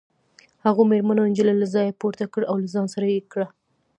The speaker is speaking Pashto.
هغو مېرمنو نجلۍ له ځایه پورته کړه او له ځان سره یې کړه